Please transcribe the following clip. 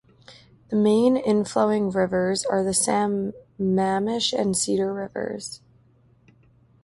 The main inflowing rivers are the Sammamish and Cedar Rivers.